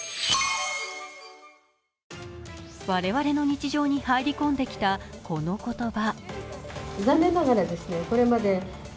我々の日常に入り込んできたこの言葉。